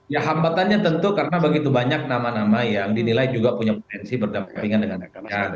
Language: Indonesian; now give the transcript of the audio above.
ya hambatannya tentu karena begitu banyak nama nama yang dinilai juga punya potensi berdampingan dengan agama